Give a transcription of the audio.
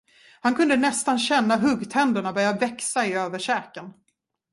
Han kunde nästan känna huggtänderna börja växa i överkäken.